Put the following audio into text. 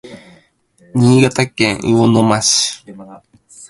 新潟県魚沼市